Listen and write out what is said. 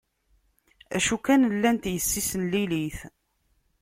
Acu kan, llant yessi-s n Lilit.